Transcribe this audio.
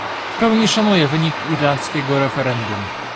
W pełni szanuję wynik irlandzkiego referendum